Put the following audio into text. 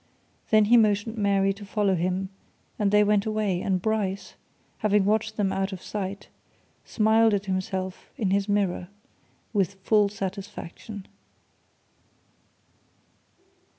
Then he motioned Mary to follow him, and they went away, and Bryce, having watched them out of sight, smiled at himself in his mirror with full satisfaction.